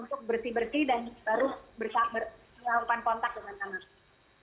untuk bersih bersih dan baru melakukan kontak dengan anak